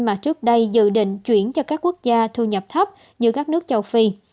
mà trước đây dự định chuyển cho các quốc gia thu nhập thấp như các nước châu phi